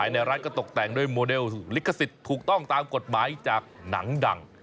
ในรัฐก็ตกแต่งด้วยโมเดลลิขสิทธิ์ถูกต้องตามกฎหมายจากหนังดัง